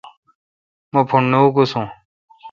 مہ پھݨ نہ اکوسون۔